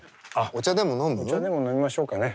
お茶でも飲みましょうかね。